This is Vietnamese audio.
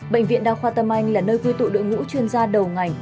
bệnh viện đa khoa tâm anh là nơi quy tụ đội ngũ chuyên gia đầu ngành